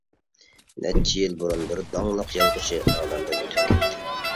نەچچە يىل بۇرۇن، بىر داڭلىق يازغۇچى ئالەمدىن ئۆتۈپ كەتتى.